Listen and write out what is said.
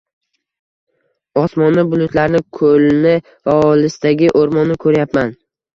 Osmonni, bulutlarni, koʻlni va olisdagi oʻrmonni koʻryapman